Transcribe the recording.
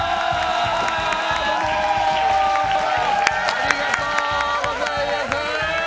ありがとうございます！